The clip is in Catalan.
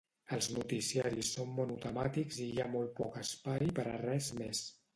Els noticiaris són monotemàtics i hi ha molt poc espai per a res més.